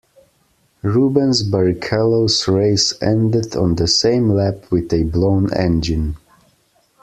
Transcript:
Rubens Barrichello's race ended on the same lap with a blown engine.